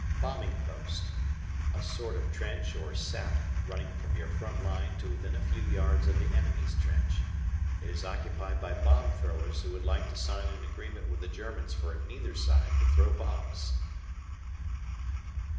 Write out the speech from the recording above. Bombing Post. A sort of trench or sap running from your front line to within a few yards of the enemy's trench. It is occupied by bomb throwers who would like to sign an agreement with the Germans for neither side to throw bombs.